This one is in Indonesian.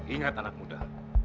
ingat anak muda